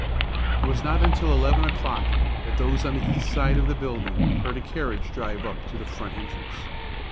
It was not until eleven o'clock that those on the east side of the building heard a carriage drive up to the front entrance.